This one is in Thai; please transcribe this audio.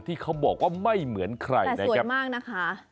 ที่เขาบอกว่าไม่เหมือนใครนะครับแต่สวยมากนะคะ